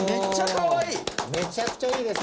めちゃくちゃいいです。